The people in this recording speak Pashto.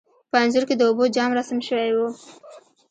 په انځور کې د اوبو جام رسم شوی و.